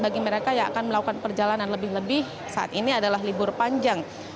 bagi mereka yang akan melakukan perjalanan lebih lebih saat ini adalah libur panjang